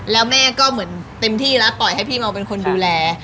แล้วแม่ก็เหมือนเต็มที่แล้วปล่อยให้พี่เมาเป็นคนดูแล